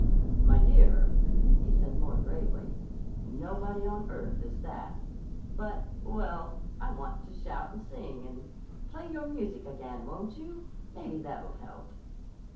"My dear," he said more gravely. "Nobody on earth is that. But—well, I want to shout and sing and—Play your music again, won't you? Maybe that'll help."